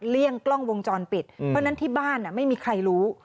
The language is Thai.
เลี่ยงกล้องวงจรปิดเพราะฉะนั้นที่บ้านไม่มีใครรู้